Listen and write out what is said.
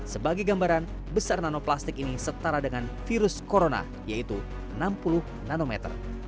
sebagai gambaran besar nanoplastik ini setara dengan virus corona yaitu enam puluh nanometer